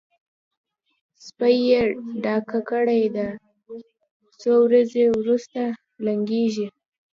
سپۍ یې ډکه کړې ده؛ څو ورځې روسته لنګېږي.